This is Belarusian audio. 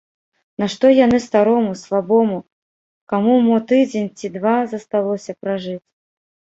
Нашто яны старому, слабому, каму мо тыдзень ці два засталося пражыць?